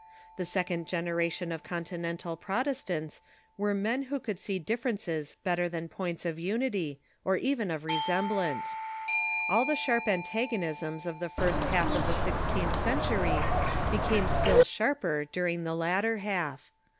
The second generation of Con tinental Protestants were men who could see differences better than points of unity, or even of resemblance. All the sharp antagonisms of the first half of the sixteenth century became still sharper during the latter half.